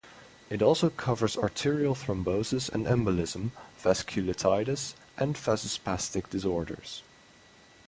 It also covers arterial thrombosis and embolism; vasculitides; and vasospastic disorders.